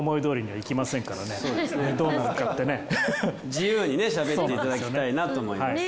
自由にねしゃべっていただきたいなと思います。